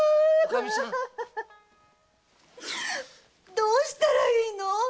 どうしたらいいの？